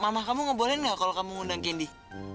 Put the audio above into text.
mama kamu gak boleh gak kalau kamu undang candy